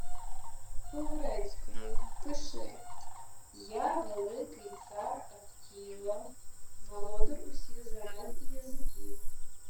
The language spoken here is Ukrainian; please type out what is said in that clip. — По-грецькому. Пиши: «Я, великий цар Аттіла, володар усіх земель і язиків...»